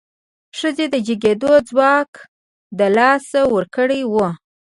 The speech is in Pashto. ښځې د جګېدو ځواک له لاسه ورکړی و.